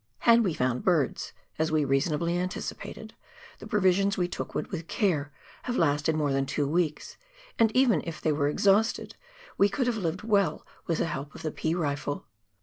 Had we found birds, as we reasonably anticipated, the provisions we took ^vould, with care, have lasted more than two weeks, and even if they were exhausted, we could have lived well with the help of the pea rifle.